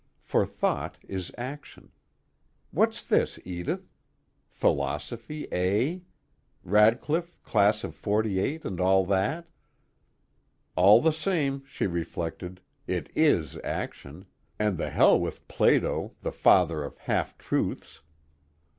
For thought is action. What's this, Edith? Philosophy A, Radcliffe, Class of '48 and all that?_ All the same, she reflected, it is action, and the hell with Plato the Father of Half Truths.